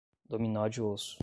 Dominó de osso